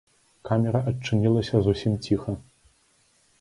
Камера адчынілася зусім ціха.